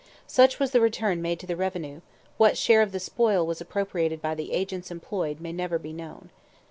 Such was the return made to the revenue; what share of the spoil was appropriated by the agents employed may never be known.